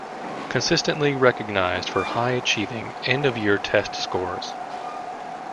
Consistently recognized for high achieving end of year test scores.